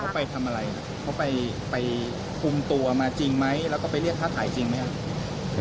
เขาไปทำอะไรครับเขาไปคุมตัวมาจริงไหมแล้วก็ไปเรียกค่าถ่ายจริงไหมครับ